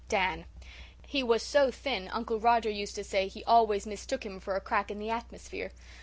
DAN: "He was so thin Uncle Roger used to say he always mistook him for a crack in the atmosphere.